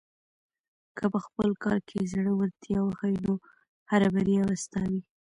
که په خپل کار کې زړۀ ورتیا وښیې، نو هره بریا به ستا وي.